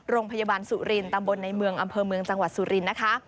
โรงพยาบาลสุรินตำบลในเมืองอำเภอเมืองจังหวัดสุรินทร์นะคะ